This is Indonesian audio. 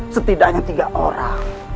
setidaknya tiga orang